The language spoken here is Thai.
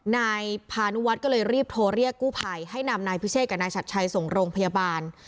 นายพานุวัฒน์ก็เลยรีบโทรเรียกกู้ภัยให้นำนายพิเชษกับนายชัดชัยส่งโรงพยาบาล